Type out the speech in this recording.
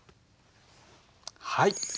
はい。